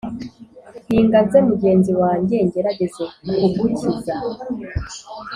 hinga nze mugenzi wanjye, ngerageze kugukiza.